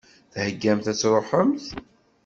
Theggamt ad tṛuḥemt?